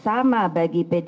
sama bagi pdi pernama